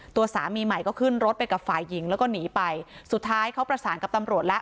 ตัวสามีใหม่ก็ขึ้นรถไปกับฝ่ายหญิงแล้วก็หนีไปสุดท้ายเขาประสานกับตำรวจแล้ว